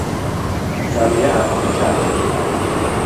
Cham yath ichangi.